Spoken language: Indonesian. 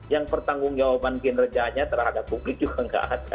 yang pertanggung jawaban kinerjanya terhadap publik juga nggak ada